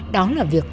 đó là việc